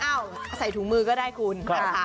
อ้าวใส่ถูมือก็ได้คุณ